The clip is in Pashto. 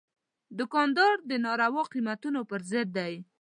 دوکاندار د ناروا قیمتونو پر ضد دی.